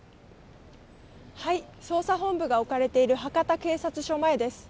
捜査本部が置かれている博多警察署前です。